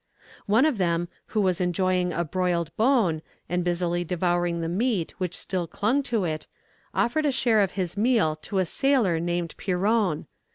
"One of them, who was enjoying a broiled bone, and busily devouring the meat which still clung to it, offered a share of his meal to a sailor named Piron.